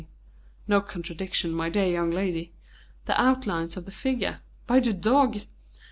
No contradiction, my dear young lady! The outlines of the figure By the dog!